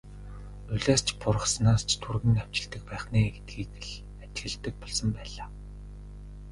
Улиас ч бургаснаас түргэн навчилдаг байх нь ээ гэдгийг л ажигладаг болсон байлаа.